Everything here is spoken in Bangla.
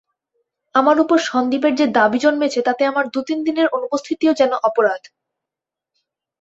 আমার উপর সন্দীপের যে দাবি জন্মেছে তাতে আমার দু-তিন দিনের অনুপস্থিতিও যেন অপরাধ।